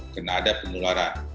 karena ada penularan